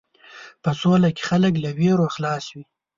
په سوله کې خلک له وېرو خلاص وي.